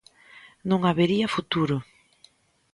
Non habería futuro.